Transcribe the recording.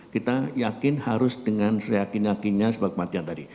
kita yakin harus dengan seyakin yakinnya sebab kematian tadi